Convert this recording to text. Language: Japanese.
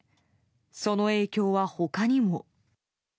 その影響は他にも。